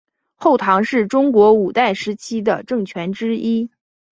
后唐是中国五代时期的政权之一。